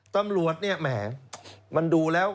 ตำรวจเนี่ยแหมมันดูแล้ว